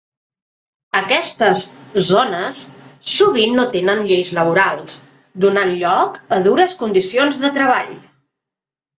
Aquestes zones sovint no tenen lleis laborals, donant lloc a dures condicions de treball.